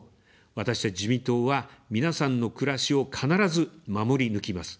私たち自民党は皆さんの暮らしを必ず守り抜きます。